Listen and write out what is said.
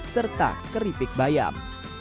serta keripik bayam